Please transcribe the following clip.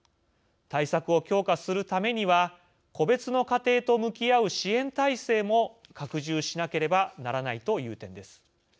対策を強化するためには個別の家庭と向き合う支援体制も拡大しなければならないという点です。